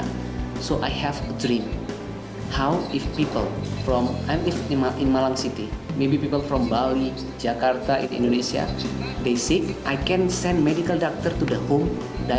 jadi saya punya mimpi bagaimana kalau orang dari saya berada di malang mungkin orang dari bali jakarta indonesia mereka sakit saya bisa mengirim dokter medis ke rumah